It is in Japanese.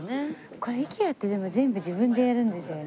これＩＫＥＡってでも全部自分でやるんですよね。